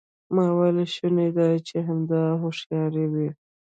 ما وویل شونې ده چې همدا هوښیاري وي.